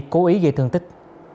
cố ý gây thương tích